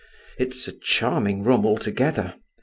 It's a charming room altogether.